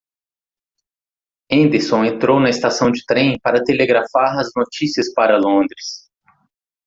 Henderson entrou na estação de trem para telegrafar as notícias para Londres.